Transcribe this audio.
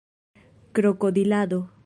krokodilado